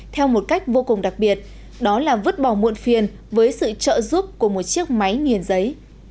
theo một cách vô cùng đặc biệt đó là vứt bỏ muộn phiền với sự trợ giúp của một chiếc máy nghiền giấy